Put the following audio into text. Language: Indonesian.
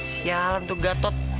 sialan tuh gatot